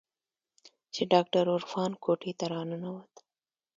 چې ډاکتر عرفان کوټې ته راننوت.